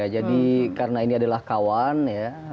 jadi karena ini adalah kawan